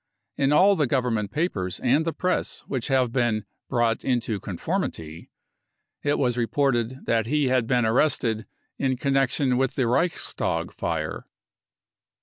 In all the Government papers and the Press which had been " brought into conformity 99 it was re ported that he had been arrested in connection with the Reichstag fire.